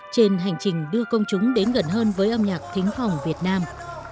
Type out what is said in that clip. trên hành trình đưa công chúng đến gần hơn với âm nhạc thính phòng việt nam